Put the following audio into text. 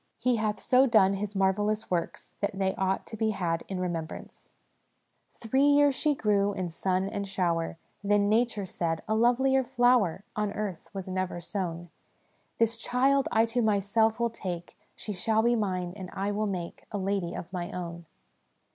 " He hath so done His marvellous works that they ought to be had in remembrance." SOME PRELIMINARY CONSIDERATIONS 33 "Three years she grew in sun and shower, Then Nature said, ' A lovelier flower On earth was never sown : This child I to myself will take : She shall be mine, and I will make A lady of my own.